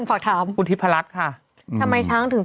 เป็นการกระตุ้นการไหลเวียนของเลือด